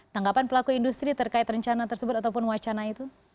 tanggapan pelaku industri terkait rencana tersebut ataupun wacana itu